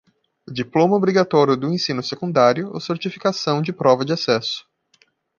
Diploma obrigatório do ensino secundário ou certificação de prova de acesso.